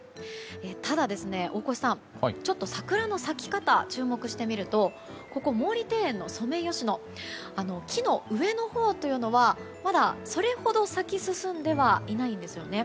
ただ、大越さんちょっと桜の咲き方注目してみるとここ、毛利庭園のソメイヨシノ木の上のほうというのはまだ、それほど咲き進んではいないんです。